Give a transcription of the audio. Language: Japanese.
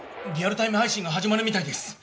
リアルタイム配信が始まるみたいです。